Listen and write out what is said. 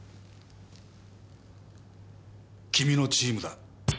君のチームだ。